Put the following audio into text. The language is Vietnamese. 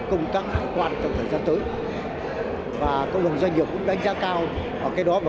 công tác hải quan trong thời gian tới và cộng đồng doanh nghiệp cũng đánh giá cao cái đó mà